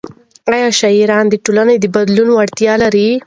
ايا شاعران د ټولنې د بدلون وړتیا لري؟